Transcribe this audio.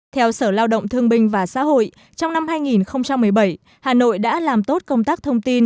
theo sở lao động thương binh và xã hội trong năm hai nghìn một mươi bảy hà nội đã làm tốt công tác thông tin